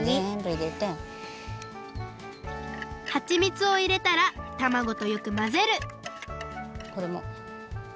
はちみつをいれたらたまごとよくまぜるこれも。